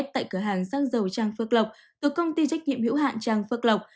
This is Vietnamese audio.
tại cửa hàng xăng dầu trang phước lộc thuộc công ty trách nhiệm hữu hạn trang phước lộc